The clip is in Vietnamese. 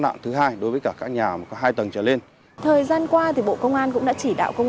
mạng thứ hai đối với cả các nhà hai tầng trở lên thời gian qua thì bộ công an cũng đã chỉ đạo công